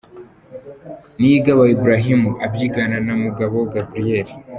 Niyigaba Ibrahim abyigana na Mugabo Gabriel.